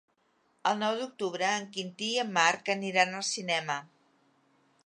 El nou d'octubre en Quintí i en Marc aniran al cinema.